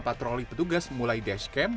patroli petugas mulai dashcam